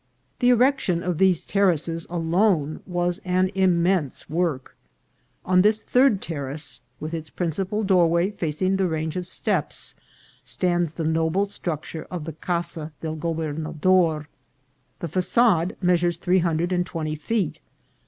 The erection of these terraces alone was an immense work. On this third terrace, with its principal doorway facing the range of steps, stands the noble structure of the Casa del Gobernador. The fagade measures three hundred and twenty feet.